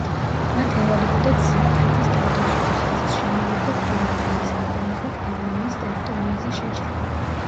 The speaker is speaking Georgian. მათ ევალებოდათ ზიგფრიდის თავდაცვითი ხაზის შემოვლა და ქვემო რაინის გადალახვით გერმანიის ტერიტორიაზე შეჭრა.